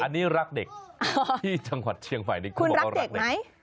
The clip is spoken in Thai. อันนี้รักเด็กที่จังหวัดเชียงใหม่คุณรักเด็กไหม